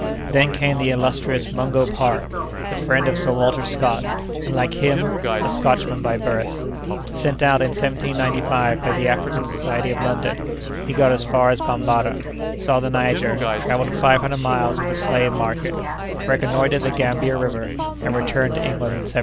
Then came the illustrious Mungo Park, the friend of Sir Walter Scott, and, like him, a Scotchman by birth. Sent out in 1795 by the African Society of London, he got as far as Bambarra, saw the Niger, travelled five hundred miles with a slave merchant, reconnoitred the Gambia River, and returned to England in 1797.